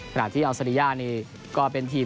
ขนาดที่ออนซาเลียก็เป็นทีม